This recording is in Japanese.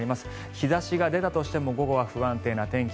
日差しが出たとしても午後は不安定な天気。